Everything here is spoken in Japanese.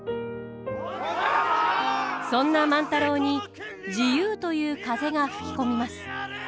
そんな万太郎に自由という風が吹き込みます。